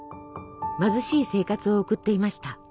貧しい生活を送っていました。